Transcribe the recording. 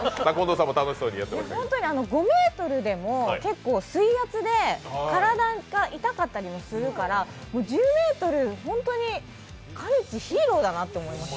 ほんとに５ｍでも結構、水圧で体が痛かったりもするからもう１０ｍ、ホントにかねち、ヒーローだなと思いました。